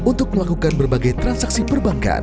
untuk melakukan berbagai transaksi perbankan